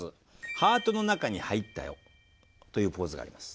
「ハートの中に入ったよ」というポーズがあります。